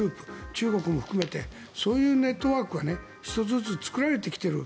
中国も含めてそういうネットワークが１つずつ作られてきている。